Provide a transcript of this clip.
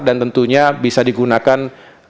dan tentunya bisa digunakan